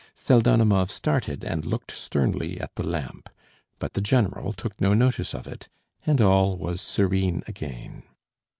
Pseldonimov started and looked sternly at the lamp, but the general took no notice of it, and all was serene again.